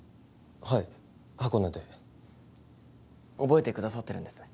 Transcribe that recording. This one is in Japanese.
はい箱根で覚えてくださってるんですね